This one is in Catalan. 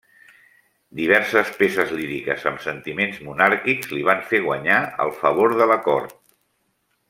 Diverses peces líriques amb sentiments monàrquics li van fer guanyar el favor de la cort.